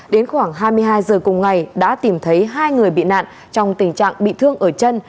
đến khoảng hai mươi hai giờ cùng ngày đã tìm thấy hai người bị nạn trong tình trạng bị thương ở chân